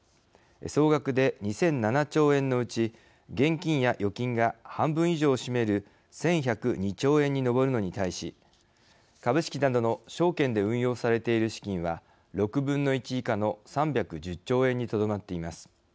総額で２００７兆円のうち現金や預金が半分以上を占める１１０２兆円に上るのに対し株式などの証券で運用されている資金は６分の１以下の３１０兆円にとどまっています。